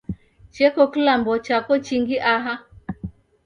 Cheko kilambo chako chingi aha?